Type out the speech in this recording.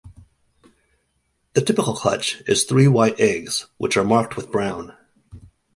The typical clutch is three white eggs, which are marked with brown.